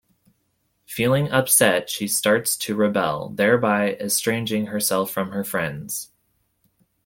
Feeling upset, she starts to rebel, thereby estranging herself from her friends.